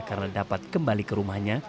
karena dapat kembali ke rumahnya